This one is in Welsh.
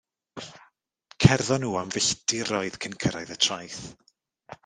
Cerddon nhw am filltiroedd cyn cyrraedd y traeth.